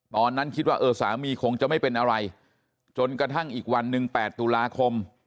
ตอนนั้นคิดว่าเออสามีคงจะไม่เป็นอะไรจนกระทั่งอีกวันหนึ่ง๘ตุลาคม